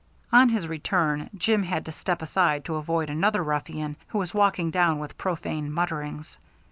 On his return Jim had to step aside to avoid another ruffian, who was walking down with profane mutterings.